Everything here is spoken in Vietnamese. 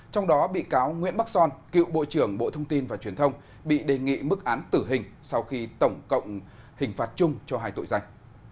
trong đó bị cáo nguyễn bắc son cựu bộ trưởng bộ thông tin và truyền thông bị đề nghị mức án tử hình sau khi tổng cộng hình phạt chung cho hai tội danh